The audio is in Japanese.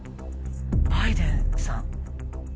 バイデンさん。